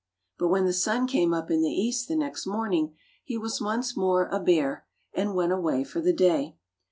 But when the sun came up in the east the next morning he was once more a bear and went away for the day.